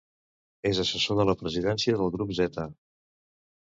És assessor de la presidència del Grup Zeta.